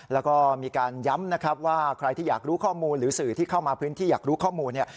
แล้วก็มีการย้ำนะครับว่าใครที่อยากรู้ข้อมูลหรือสื่อที่เข้ามาพื้นที่อยากรู้ข้อมูลเนี่ย